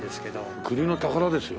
国の宝ですよ。